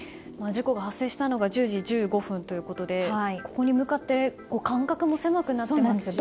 事故が発生したのが１０時１５分ということでここに向かって間隔も狭くなっていますし。